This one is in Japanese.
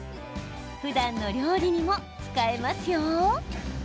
ふだんの料理にも使えますよ。